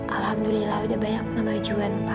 alhamdulillah sudah banyak penambahjuan pak